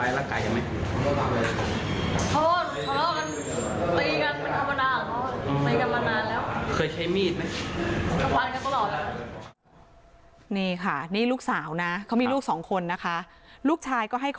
แล้วก็เหตุการณ์ที่เกิดขึ้นคิดว่ามันเกิดจากอะไร